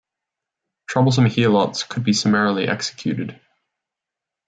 Troublesome helots could be summarily executed.